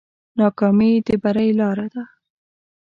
ناکامي د بری لاره ده.